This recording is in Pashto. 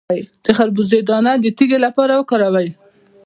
د خربوزې دانه د تیږې لپاره وکاروئ